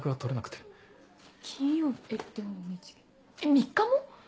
３日も？